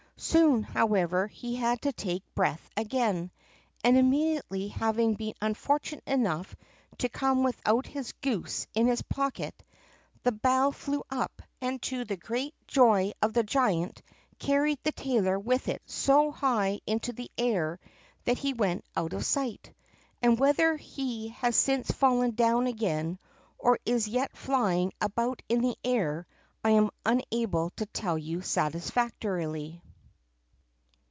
Soon, however, he had to take breath again, and immediately, having been unfortunate enough to come without his goose in his pocket, the bough flew up, and to the great joy of the giant, carried the tailor with it so high into the air that he went out of sight. And whether he has since fallen down again, or is yet flying about in the air, I am unable to tell you satisfactorily.